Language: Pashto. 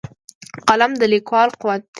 قلم د لیکوال قوت دی